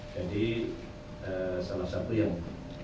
jadi salah satu yang